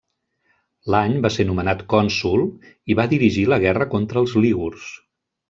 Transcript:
L'any va ser nomenat cònsol i va dirigir la guerra contra els lígurs.